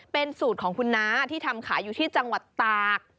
เป็นสูตรของคุณน้าที่ทำขายอยู่ที่จังหวัดตาก